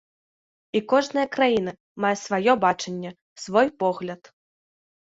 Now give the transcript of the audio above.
І кожная краіна мае сваё бачанне, свой погляд.